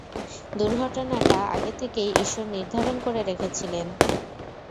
দুর্ঘটনাটা আগে থেকেই ঈশ্বর নির্ধারণ করে রেখেছিলেন।